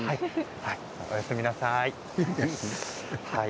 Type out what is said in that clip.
おやすみなさい。